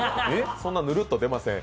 そんなぬるっと出ません。